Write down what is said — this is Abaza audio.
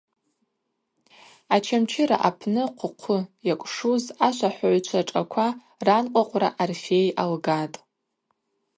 Очамчыра апны хъвы-хъвы йакӏвшуз ашвахӏвагӏвчва шӏаква ранкъвакъвра Орфей алгатӏ.